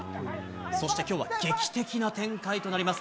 そしてきょうは劇的な展開となります。